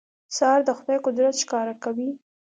سهار د خدای قدرت ښکاره کوي.